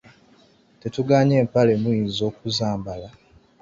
Tetugaanye empale muyinza okuzambala,